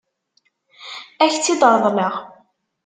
Ad k-tt-id-reḍleɣ.